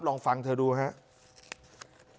ลองฟังเธอดูครับ